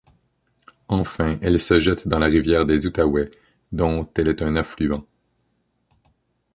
Enfin, elle se jette dans la rivière des Outaouais dont, elle est un affluent.